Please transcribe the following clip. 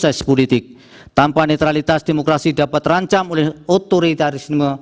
dan juga prinsip politik tanpa netralitas demokrasi dapat terancam oleh otoritas